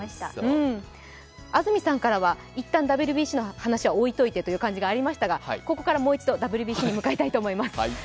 安住さんからはいったんＷＢＣの話は置いといてとありましたがここからもう一度ＷＢＣに向かいたいと思います。